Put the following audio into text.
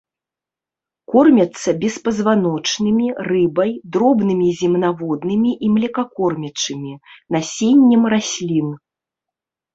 Кормяцца беспазваночнымі, рыбай, дробнымі земнаводнымі і млекакормячымі, насеннем раслін.